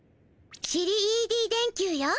シリＥＤ電球よ。